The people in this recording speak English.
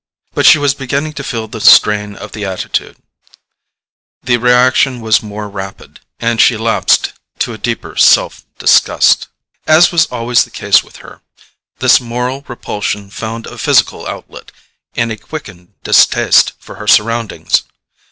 But she was beginning to feel the strain of the attitude; the reaction was more rapid, and she lapsed to a deeper self disgust. As was always the case with her, this moral repulsion found a physical outlet in a quickened distaste for her surroundings.